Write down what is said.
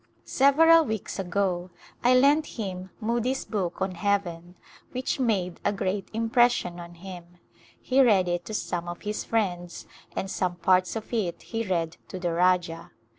Several weeks ago I lent him Moody's book on " Heaven," which made a great impression on him ; he read it to some of his friends, and some parts of it he read to the Rajah.